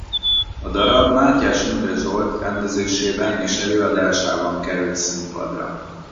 A darab Mátyás Imre Zsolt rendezésében és előadásában került színpadra.